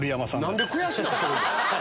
何で悔しなってるんです？